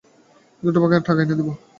কিন্তু তবু টাকা এনে দেবই।